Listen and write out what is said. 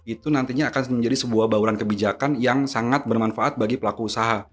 itu nantinya akan menjadi sebuah bauran kebijakan yang sangat bermanfaat bagi pelaku usaha